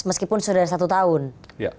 meskipun sudah satu tahun